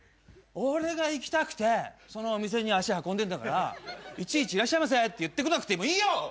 俺が行きたくてそのお店に足運んでんだからいちいち「いらっしゃいませ」って言ってこなくてもいいよ！